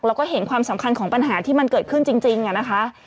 แล้วก็เห็นความสำคัญของปัญหาที่มันเกิดขึ้นจริงนะคะ